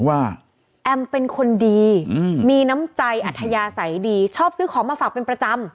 แอมเป็นคนดีมีน้ำใจอัธยาศัยดีชอบซื้อของมาฝากเป็นประจำ